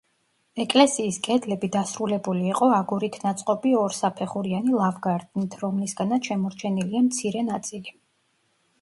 ეკლესიის კედლები დასრულებული იყო აგურით ნაწყობი ორსაფეხურიანი ლავგარდნით, რომლისგანაც შემორჩენილია მცირე ნაწილი.